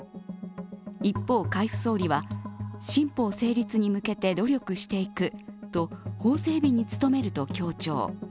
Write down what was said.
一方、海部総理は新法成立に向けて努力していくと法整備に努めると強調。